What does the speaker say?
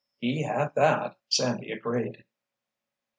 "He had that!" Sandy agreed.